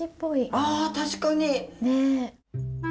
あ確かに！